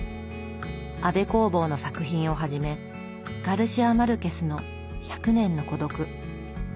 安部公房の作品をはじめガルシア・マルケスの「百年の孤独」。